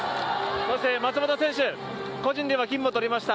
そして松元選手、個人では金も取りました。